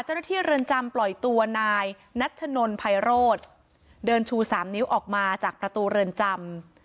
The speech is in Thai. เจ้าหน้าที่เรือนจำปล่อยตัวนายนัทชนลไพโรดเดินชูสามนิ้วออกมาจากประตูเรือนจำ